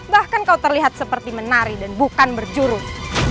bahkan kau terlihat seperti menari dan bukan berjurut